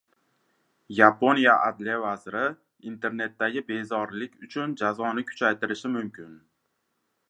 Yaponiya Adliya vaziri Internetdagi bezorilik uchun jazoni kuchaytirishi mumkin